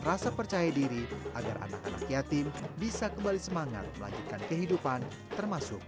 rasa percaya diri agar anak anak yatim bisa kembali semangat melanjutkan kehidupan termasuk